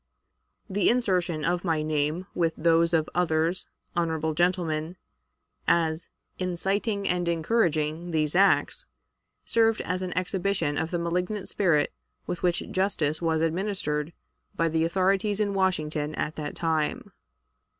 The insertion of my name with those of others, honorable gentlemen, as "inciting and encouraging" these acts, served as an exhibition of the malignant spirit with which justice was administered by the authorities in Washington at that time.